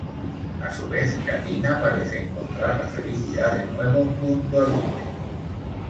A su vez, Katina parece encontrar la felicidad de nuevo junto a Luque.